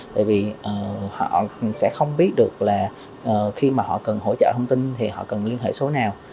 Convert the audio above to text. tại vì họ sẽ không biết được là khi mà họ cần hỗ trợ thông tin thì họ cần liên hệ số nào